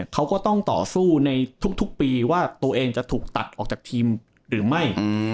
เขาก็ต้องต่อสู้ในทุกปีว่าตัวเองจะถูกตัดออกจากทีมหรือไม่